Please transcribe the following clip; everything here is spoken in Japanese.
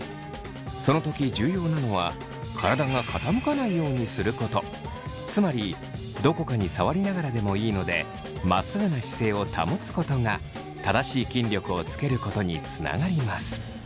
その時重要なのはつまりどこかに触りながらでもいいのでまっすぐな姿勢を保つことが正しい筋力をつけることにつながります。